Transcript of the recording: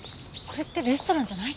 これってレストランじゃないじゃん。